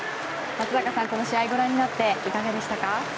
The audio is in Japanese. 松坂さん、この試合をご覧になっていかがでしたか？